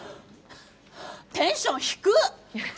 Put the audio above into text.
テンションひくっ。